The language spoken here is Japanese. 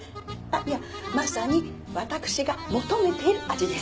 あっいやまさに私が求めてる味です。